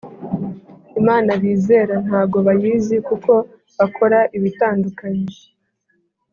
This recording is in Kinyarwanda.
Imana bizera ntago bayizi kuko bakora ibitandukanye